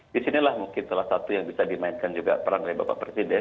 disinilah mungkin salah satu yang bisa dimainkan juga peran oleh bapak presiden